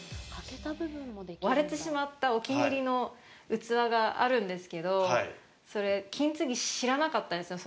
割れてしまったお気に入りの器があるんですけどそれ、金継ぎ知らなかったんですよ